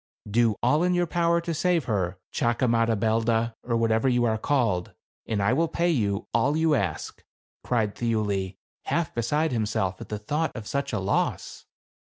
"Do all in your power to save her, Chakamadabelda, or whatever you are called, and I will pay you all you ask," cried Thiuli, half beside himself at the thought of such a loss.